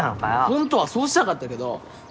ホントはそうしたかったけど。